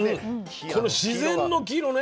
この自然の黄色ね。